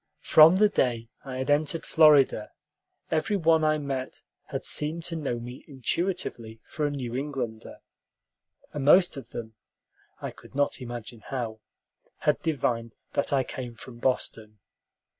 From the day I had entered Florida, every one I met had seemed to know me intuitively for a New Englander, and most of them I could not imagine how had divined that I came from Boston.